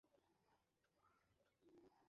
আমরা ঘুড়তে যাব?